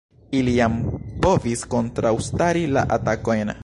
Ili jam povis kontraŭstari la atakojn.